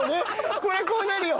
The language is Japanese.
こりゃこうなるよ。